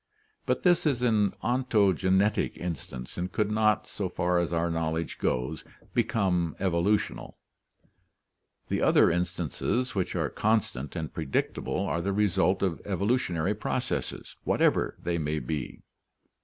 But this is an ontogenetic instance and could not, so far as our knowledge goes, become evolutional; the other instances which are constant and predictable are the result of evolutionary processes, whatever they may be.